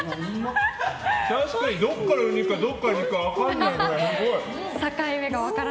確かにどこからウニかどこから肉か分かんない。